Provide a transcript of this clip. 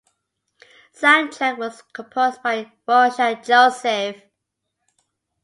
Soundtrack was composed by Roshan Joseph.